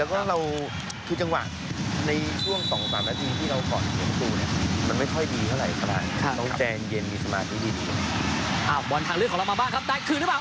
อ่าววันทางเรื่องของเรามาบ้างเราก็จะดูว่าตะกืนหรือเปล่า